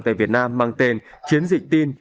tại việt nam mang tên chiến dịch tin